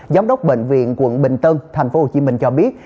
giám đốc bệnh viện quận bình tân tp hcm cho biết